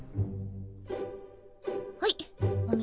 はいお水。